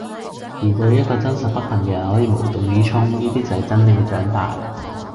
而對一個真實不幸嘅人可以無動於衷，呢啲就係真正嘅長大。